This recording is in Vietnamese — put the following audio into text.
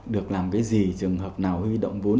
được làm cái gì trường hợp nào huy động vốn